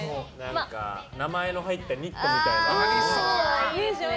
名前の入ったニットみたいな。